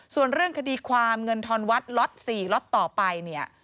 ส่วนเรื่องคดีความเงินทอนวัดล็อต๔ล็อตต่อไปเนี่ย